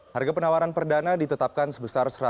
harga penawaran perjualan ini menargetkan seharga rp tiga lima miliar